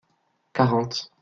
Quarante.